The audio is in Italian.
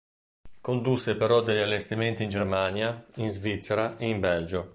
Condusse però degli allestimenti in Germania, in Svizzera e in Belgio.